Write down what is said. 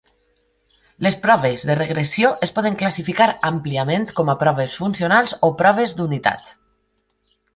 Les proves de regressió es poden classificar àmpliament com a proves funcionals o proves d'unitats.